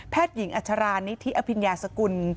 แพทย์หญิงอัชรานิทิอพิญญาสกุล